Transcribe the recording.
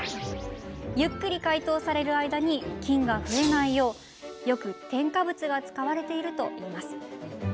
ゆっくり解凍される間に菌が増えないようよく添加物が使われているといいます。